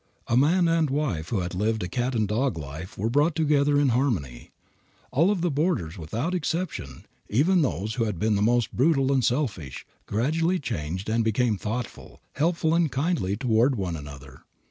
A man and wife who had lived a cat and dog life were brought together in harmony. All of the boarders, without exception, even those who had been the most brutal and selfish, gradually changed and became thoughtful, helpful and kindly toward one another.